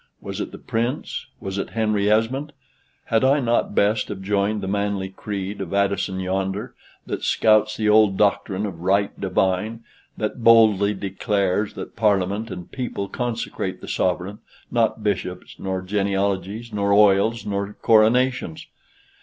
Was it the Prince? was it Henry Esmond? Had I not best have joined the manly creed of Addison yonder, that scouts the old doctrine of right divine, that boldly declares that Parliament and people consecrate the Sovereign, not bishops, nor genealogies, nor oils, nor coronations."